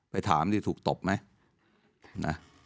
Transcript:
ไปถามสิถูกตบไหม